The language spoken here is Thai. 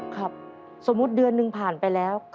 ครับสมมุติเดือนหนึ่งผ่านไปแล้ว